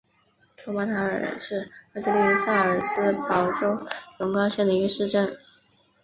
托马塔尔是奥地利萨尔茨堡州隆高县的一个市镇。